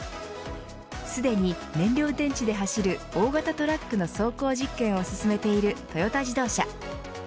すでに燃料電池で走る大型トラックの走行実験を進めているトヨタ自動車。